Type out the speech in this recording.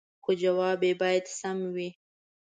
خو جواب يې باید سم وي